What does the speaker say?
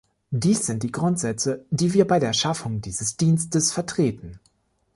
Dies sind die Grundsätze, die wir bei der Schaffung dieses Dienstes vertreten.